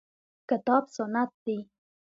کتاب سنت دي.